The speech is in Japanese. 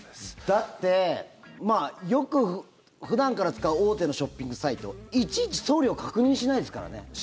だってよく普段から使う大手のショッピングサイトいちいち送料確認しないですからね。